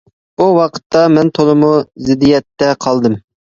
بۇ ۋاقىتتا، مەن تولىمۇ زىددىيەتتە قالدىم.